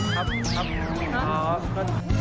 ครับครับครับ